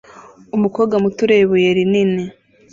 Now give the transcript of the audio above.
Umukobwa muto ureba ibuye rinini